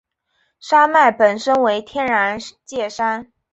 山脉本身为天然界山。